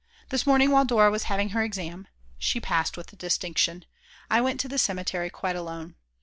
This morning, while Dora was having her exam (she passed with Distinction), I went to the cemetery quite alone.